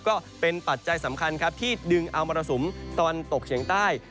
ก็เป็นปัจจัยสำคัญครับที่ดึงอามรสุมตอนตกเฉียงใต้